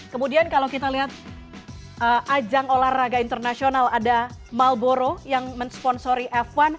kemudian kalau kita lihat ajang olahraga internasional ada malboro yang mensponsori f satu